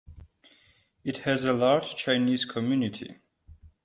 It has a large Chinese community.